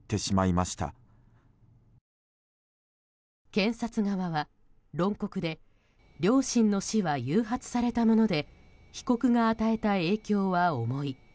検察側は論告で両親の死は誘発されたもので被告が与えた影響は重い。